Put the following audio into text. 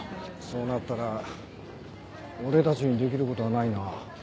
そうなったら俺たちにできることはないな。